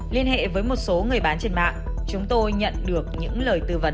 liên hệ với một số người bán trên mạng chúng tôi nhận được những lời khuyên